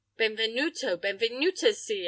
Benvenuto, benvenuto sia!"